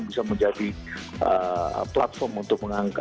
bisa menjadi platform untuk mengangkat